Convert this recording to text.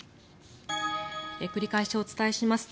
繰り返しお伝えします。